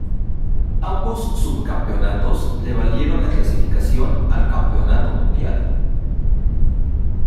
Ambos subcampeonatos le valieron la clasificación al Campeonato Mundial.